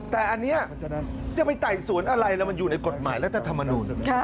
แต่อันนี้จะไปไต่สวนอะไรแล้วมันอยู่ในกฎหมายรัฐธรรมนูญ